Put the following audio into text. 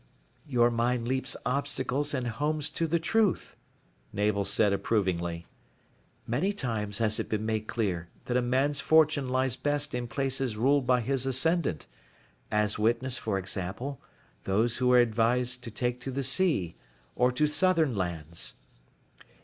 "Your mind leaps obstacles and homes to the truth," Navel said approvingly. "Many times has it been made clear that a man's fortune lies best in places ruled by his Ascendant, as witness, for example, those who are advised to take to the sea, or to southern lands...."